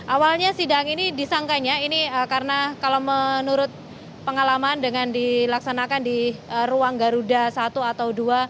awalnya sidang ini disangkanya ini karena kalau menurut pengalaman dengan dilaksanakan di ruang garuda satu atau dua